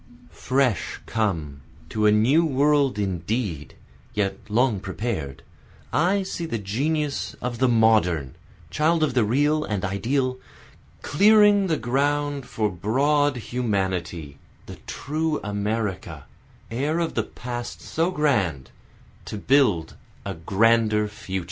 Fresh come, to a new world indeed, yet long prepared, I see the genius of the modern, child of the real and ideal, Clearing the ground for broad humanity, the true America, heir of the past so grand, To build a grander future.